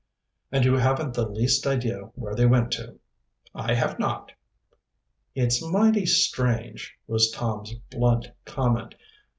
"And you haven't the least idea where they went to?" "I have not." "It's mighty strange," was Tom's blunt comment.